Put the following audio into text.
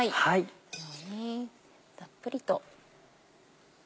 このようにたっぷりと。